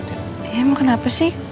eh kenapa sih